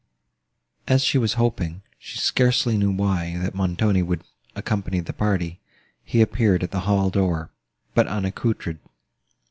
As she was hoping, she scarcely knew why, that Montoni would accompany the party, he appeared at the hall door, but un accoutred.